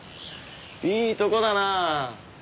いいとこだなあ。